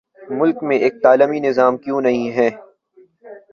ملک میں ایک تعلیمی نظام کیوں نہیں ہے؟